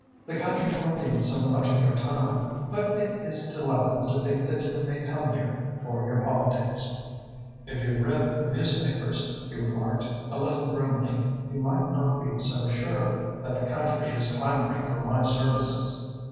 The country will need so much of your time. But it is delightful to think that you may come here for your holidays." "If you read the newspapers," he remarked, a little grimly, "you might not be so sure that the country is clamouring for my services."